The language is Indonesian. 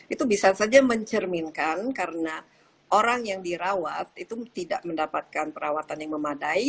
itu bisa saja mencerminkan karena orang yang dirawat itu tidak mendapatkan perawatan yang memadai